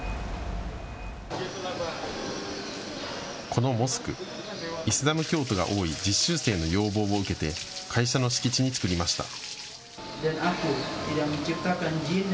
このモスク、イスラム教徒が多い実習生の要望を受けて会社の敷地に作りました。